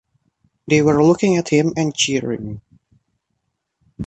They were looking at him and cheering.